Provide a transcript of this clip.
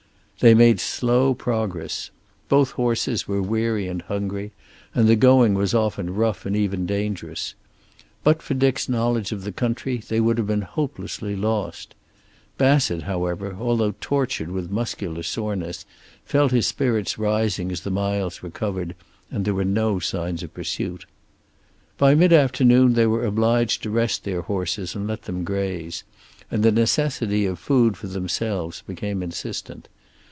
They made slow progress. Both horses were weary and hungry, and the going was often rough and even dangerous. But for Dick's knowledge of the country they would have been hopelessly lost. Bassett, however, although tortured with muscular soreness, felt his spirits rising as the miles were covered, and there was no sign of the pursuit. By mid afternoon they were obliged to rest their horses and let them graze, and the necessity of food for themselves became insistent.